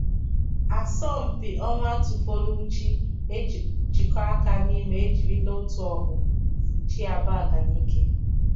Asọmpi Onwatifoluchi Njikoka: Nimo Ejirila Otu Ọ̀kpụ̀ Fọchie Abagana Ikè